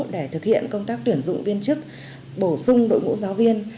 để thực hiện công tác tuyển dụng viên chức bổ sung đội ngũ giáo viên